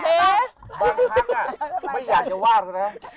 บางครั้งไม่อยากจะว่านะ